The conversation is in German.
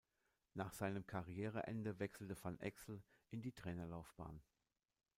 Nach seinem Karriereende wechselte Van Exel in die Trainerlaufbahn.